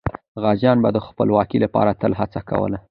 غازیان به د خپلواکۍ لپاره تل هڅه کوله.